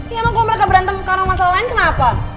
emang kalau mereka berantem karena masalah lain kenapa